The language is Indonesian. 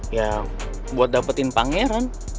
ya buat dapetin pangeran